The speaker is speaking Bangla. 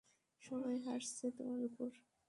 সবাই হাসছে তোমার ওপর?